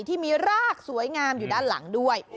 ที่มีรากสวยงามอยู่ด้านหลังด้วย